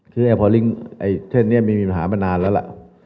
คือแอร์พอลิ้งไอเท่านี้มีมีปัญหามานานแล้วล่ะ